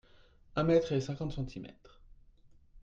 Un mètre et cinquante centimètres.